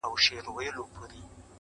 زما زړه په محبت باندي پوهېږي؛